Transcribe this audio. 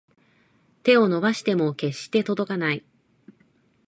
手を伸ばしても決して届かない